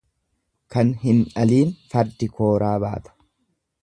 Kan hin dhaliin fardi kooraa baata.